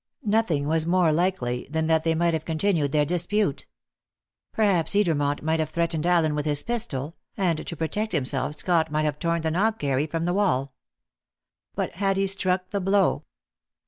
Nothing was more likely than that they might have continued their dispute. Perhaps Edermont might have threatened Allen with his pistol, and to protect himself Scott might have torn the knobkerrie from the wall. But had he struck the blow?